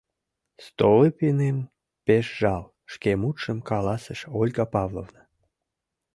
Столыпиным пеш жал, — шке мутшым каласыш Ольга Павловна.